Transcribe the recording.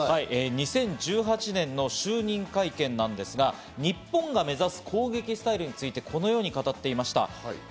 ２０１８年の就任会見なんですが、日本が目指す攻撃スタイルについて、このように語っていました。